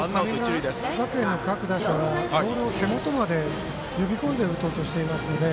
各打者はボールを手元まで呼び込んで打とうとしていますんで。